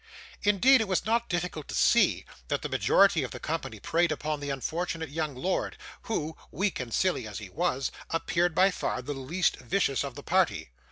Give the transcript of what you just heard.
Indeed, it was not difficult to see, that the majority of the company preyed upon the unfortunate young lord, who, weak and silly as he was, appeared by far the least vicious of the party.